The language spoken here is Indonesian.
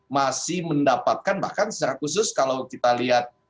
masih mendapatkan bahkan secara khusus kalau kita lihat